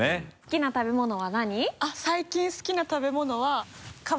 好きな食べ物は何？